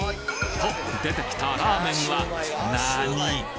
と出てきたラーメンはなに！？